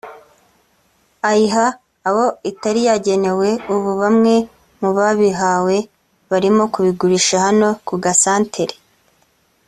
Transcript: ayiha abo itari yagenewe ubu bamwe mu babihawe barimo kubigurisha hano ku gasantere